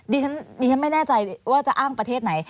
ดิฉันไม่แน่ใจว่าจะอ้างประเทศไหน